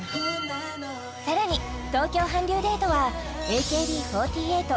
さらに「東京韓流デート」はＡＫＢ４８